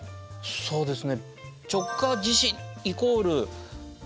そうですよね。